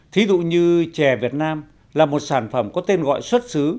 thí dụ như chè việt nam là một sản phẩm có tên gọi xuất xứ